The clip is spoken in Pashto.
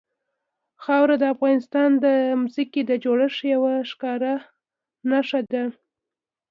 خاوره د افغانستان د ځمکې د جوړښت یوه ښکاره نښه ده.